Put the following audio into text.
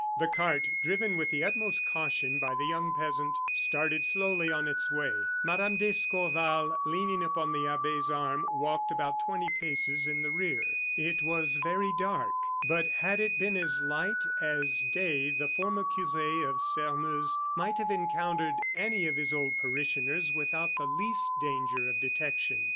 The cart, driven with the utmost caution by the young peasant, started slowly on its way. Mme. d'Escorval, leaning upon the abbe's arm, walked about twenty paces in the rear. It was very dark, but had it been as light as day the former cure of Sairmeuse might have encountered any of his old parishioners without the least danger of detection.